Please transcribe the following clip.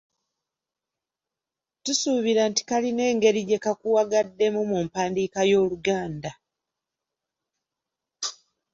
Tusuubira nti kalina engeri gye kakuwagaddemu mu mpandiika y’Oluganda.